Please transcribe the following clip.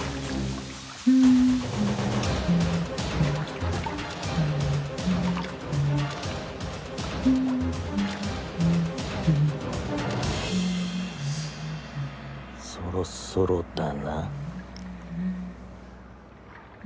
現在そろそろだな。